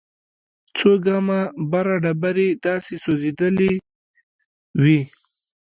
څو ګامه بره ډبرې داسې سوځېدلې وې.